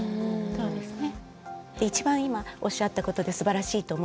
そうですね。